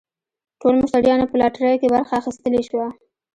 ټولو مشتریانو په لاټرۍ کې برخه اخیستلی شوه.